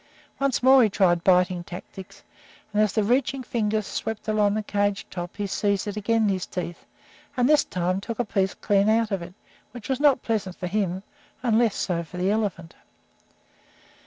Once more he tried biting tactics, and as the reaching finger swept along the cage top he seized it again in his teeth, and this time took a piece clean out of it, which was not pleasant for him, and less so for the elephant.